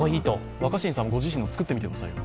若新さんご自身も作ってくださいよ。